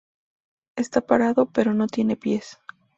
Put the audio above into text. Está parado, pero no tiene pies.